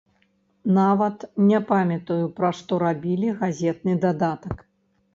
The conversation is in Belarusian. Нават не памятаю, пра што рабілі газетны дадатак.